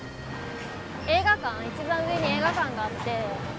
映画館一番上に映画館があって。